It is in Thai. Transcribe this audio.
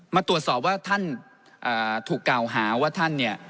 มาตรวจสอบว่าท่านถูกกล่าวหาว่าท่านเนี่ย